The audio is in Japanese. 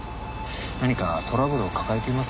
何かトラブルを抱えていませんでしたか？